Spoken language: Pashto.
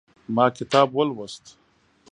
ما کتاب ولوست